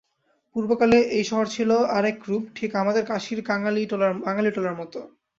পূর্বকালে এ শহর ছিল আর একরূপ, ঠিক আমাদের কাশীর বাঙালীটোলার মত।